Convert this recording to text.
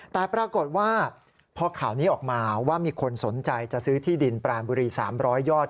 แต่ปรากฏว่าพอข่าวนี้ออกมาว่ามีคนสนใจจะซื้อที่ดินปรานบุรี๓๐๐ยอด